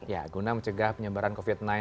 ya guna mencegah penyebaran covid sembilan belas